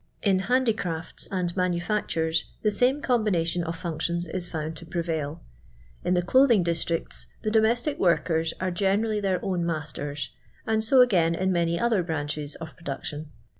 lu handi crafts and manufactures the same combination of functions is found to prevail. In the clothiiuf districts the domestic workers are generally tbeir own masters, and so again in many other branchei of production.